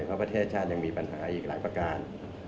เพราะประเทศชาติยังมีปัญหาอีกหลายประการ